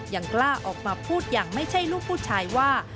ยังกล้าออกมาพูดอย่างไม่ใช่ลูกผู้ชายว่า